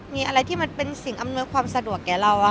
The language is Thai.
มีอัธยันตาที่เป็นอำนวยความสะดวกแกเกิดเรา